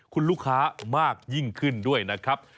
คุณลูกค้ามากยิ่งขึ้นด้วยนะครับ